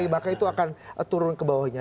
maka itu akan turun kebawahnya